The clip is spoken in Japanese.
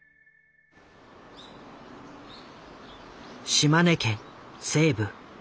島根県西部。